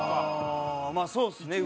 まあそうですね。